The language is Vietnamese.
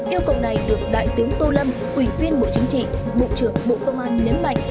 yêu cầu này được đại tướng tô lâm ủy viên bộ chính trị bộ trưởng bộ công an nhấn mạnh